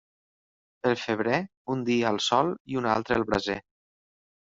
Pel febrer, un dia al sol i un altre al braser.